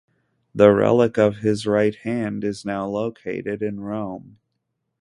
The relic of his right hand is now located in Rome.